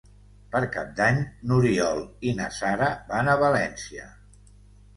Per Cap d'Any n'Oriol i na Sara van a València.